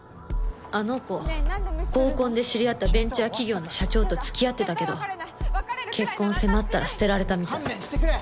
あの子合コンで知り合ったベンチャー企業の社長と付き合ってたけど結婚を迫ったら捨てられたみたい。